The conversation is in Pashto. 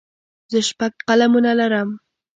زه شپږ قلمونه لرم.